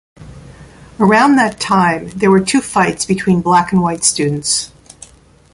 Around that time there were two fights between black and white students.